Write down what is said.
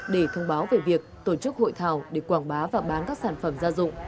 để thông báo về việc tổ chức hội thảo để quảng bá và bán các sản phẩm gia dụng